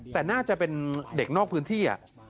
แต่น่าจะเป็นเด็กนอกพื้นที่